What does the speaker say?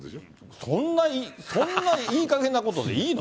そんないいかげんなことでいいの？